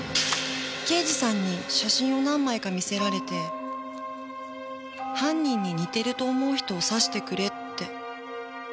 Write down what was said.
刑事さんに写真を何枚か見せられて犯人に似てると思う人を指してくれって。